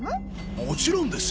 もちろんです！